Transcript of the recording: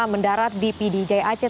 mendarat di pd jaya aceh